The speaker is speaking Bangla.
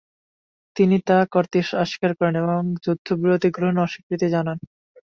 তিনি তা করতে অস্বীকার করেন এবং যুদ্ধবিরতি গ্রহণে অস্বীকৃতি জানান।